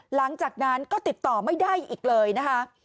หลังจากนั้นก็ติดต่อไม่ได้อีกเลยนะคะ